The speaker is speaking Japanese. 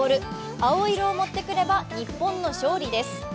青色を持ってくれば日本の勝利です。